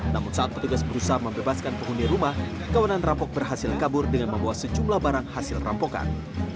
namun saat petugas berusaha membebaskan penghuni rumah kawanan rampok berhasil kabur dengan membawa sejumlah barang hasil rampokan